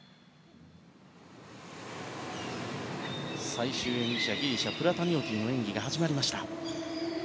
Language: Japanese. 最終演技者、ギリシャプラタニオティの演技が始まりました。